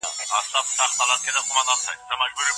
د ښکلا او اخلاقو تر منځ کوم يو غوره دی؟